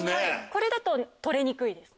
これだと取れにくいです。